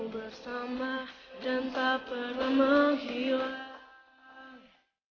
bersama dan tak pernah menghilang